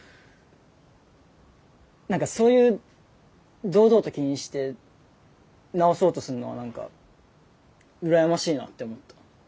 何かそういう堂々と気にして直そうとするのは何か羨ましいなって思った。